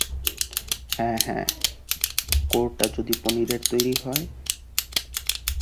হ্যাঁ, হ্যাঁ, কোরটা যদি পনিরের তৈরী হয়?